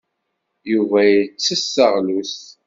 Yuba yettess taɣlust.